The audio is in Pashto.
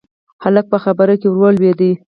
هلک په خبره کې ور ولوېد: